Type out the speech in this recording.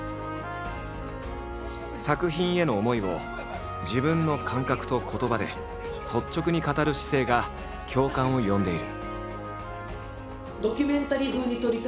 作品への思いを自分の感覚と言葉で率直に語る姿勢が共感を呼んでいる。